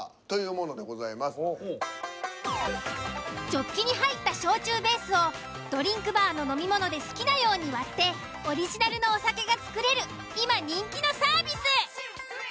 ジョッキに入った焼酎ベースをドリンクバーの飲み物で好きなように割ってオリジナルのお酒が作れる今人気のサービス。